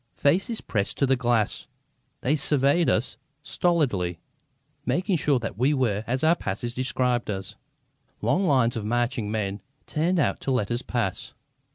Faces pressed to the glass, they surveyed us stolidly, making sure that we were as our passes described us. Long lines of marching men turned out to let us pass.